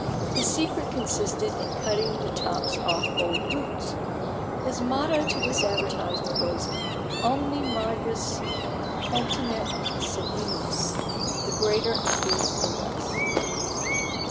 His secret consisted in cutting the tops off old boots. His motto to this advertisement was "Omne majus continet in se minus" ("The greater includes the less").